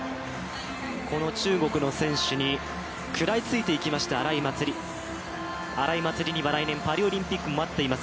この中国の選手に食らいついていきました荒井祭里、荒井祭里には来年パリオリンピックも待っています。